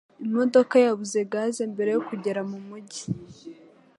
Imodoka yabuze gaze mbere yo kugera mu mujyi.